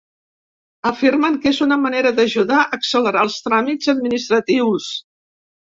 Afirmen que és una manera d’ajudar a accelerar els tràmits administratius.